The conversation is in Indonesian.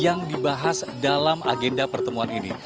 yang dibahas dalam agenda pertemuan ini